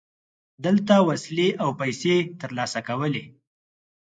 دلته وسلې او پیسې ترلاسه کولې.